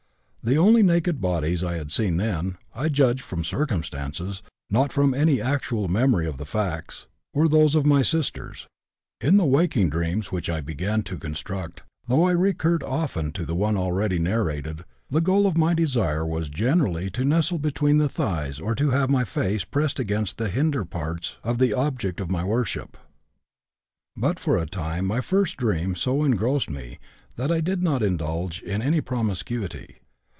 The only naked bodies I had seen then I judge from circumstances, not from any actual memory of the facts were those of my own sisters. In the waking dreams which I began to construct, though I recurred often to the one already narrated, the goal of my desire was generally to nestle between the thighs or to have my face pressed against the hinder parts of the object of my worship. But for a time my first dream so engrossed me that I did not indulge in any promiscuity.